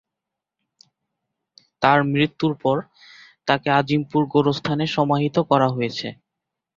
তার মৃত্যুর পর তাকে আজিমপুর গোরস্থানে সমাহিত করা হয়েছে।